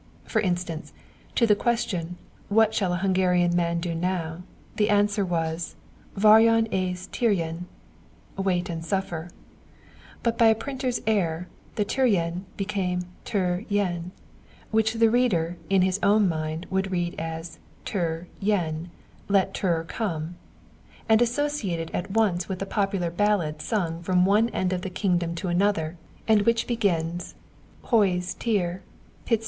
For instance, to the question, "What shall a Hungarian man do now?" the answer was, "Várjon és türjön" ("Wait and suffer"); but by a printer's error the "türjön" became "türr jön," which the reader, in his own mind, would read as "Türr jön" ("Let Türr come"), and associate it at once with the popular ballad sung from one end of the kingdom to the other, and which begins, "_Hoz Türr Pizta puskát!